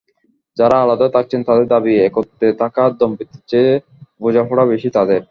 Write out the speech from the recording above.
যাঁরা আলাদা থাকছেন তাঁদের দাবি একত্রে থাকা দম্পতিদের চেয়ে বোঝাপড়া বেশি তাঁদের।